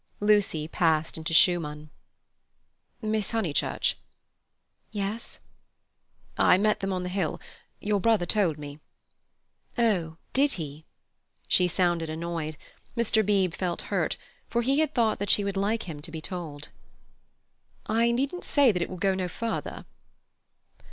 Lucy passed into Schumann. "Miss Honeychurch!" "Yes." "I met them on the hill. Your brother told me." "Oh he did?" She sounded annoyed. Mr. Beebe felt hurt, for he had thought that she would like him to be told. "I needn't say that it will go no further."